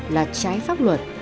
là trái pháp luật